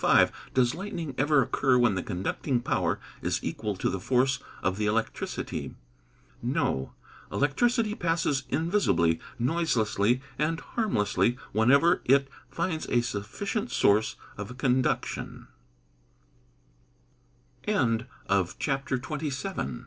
Does lightning ever occur when the conducting power is equal to the force of the electricity? No; electricity passes invisibly, noiselessly, and harmlessly, whenever it finds a sufficient source of